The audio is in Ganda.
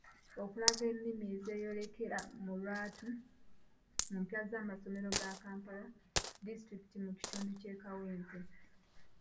Okulaga ennimi ezeeyolekera mu lwatu mu mpya z'amasomero ga Kampala disitulikiti mu kitundu ky'eKawempe